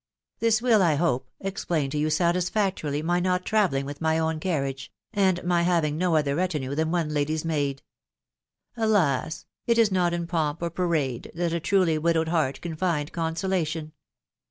" This will, I hope, explain to you satisfactorily my not travelling with my own carriage, and my haying no other retinue than one lady's maid. Alas !.... it is not in pomp or parade that a truly widowed heart can find consolation